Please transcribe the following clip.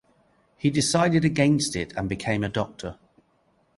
He decided against it and became a doctor.